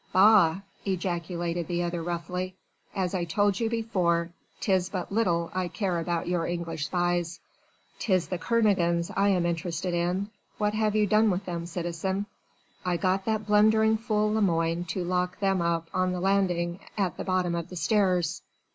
Bah!" ejaculated the other roughly. "As I told you before 'tis but little I care about your English spies. 'Tis the Kernogans I am interested in. What have you done with them, citizen?" "I got that blundering fool Lemoine to lock them up on the landing at the bottom of the stairs."